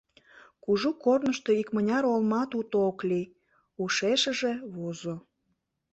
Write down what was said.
«Кужу корнышто икмыняр олмат уто ок лий, — ушешыже возо.